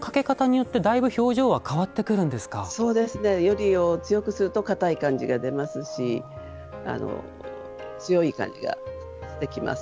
撚りを強くするとかたい感じが出ますし強い感じができます。